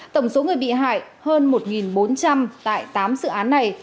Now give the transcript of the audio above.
tổng số người bị hại hơn một bốn trăm linh tại tám dự án này